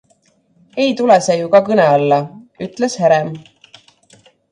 "Ei tule see ju ka kõne alla," ütles Herem.